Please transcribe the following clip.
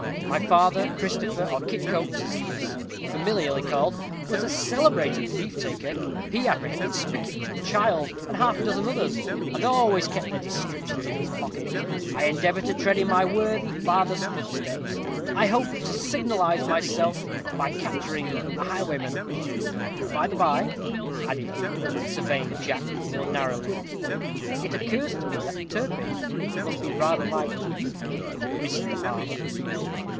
My father, Christopher, or Kit Coates, as he was familiarly called, was a celebrated thief taker. He apprehended Spicket, and Child, and half a dozen others, and always kept their descriptions in his pocket. I endeavor to tread in my worthy father's footsteps. I hope to signalize myself by capturing a highwayman. By the by," added he, surveying Jack more narrowly, "it occurs to me that Turpin must be rather like you, Mr. Palmer?"